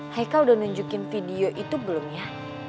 hei kau udah nunjukin video itu belum ya